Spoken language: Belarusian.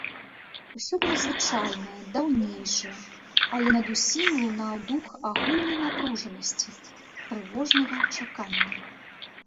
Усё было звычайнае, даўнейшае, але над усім лунаў дух агульнай напружанасці, трывожнага чакання.